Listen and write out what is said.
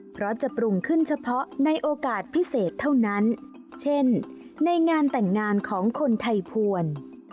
เพราะจะปรุงขึ้นเฉพาะในโอกาสพิเศษเท่านั้นเช่นในงานแต่งงานของคนไทยภวร